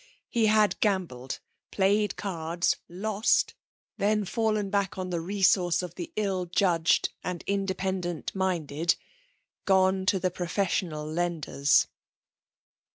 He had gambled, played cards, lost, then fallen back on the resource of the ill judged and independent minded gone to the professional lenders.